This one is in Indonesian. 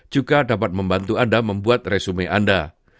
juga dapat membantu anda membuat resume anda